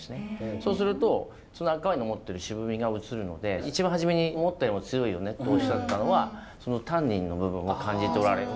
そうするとその赤ワインの持ってる渋みが移るので一番初めに思ったよりも強いよねとおっしゃったのはそのタンニンの部分を感じ取られた。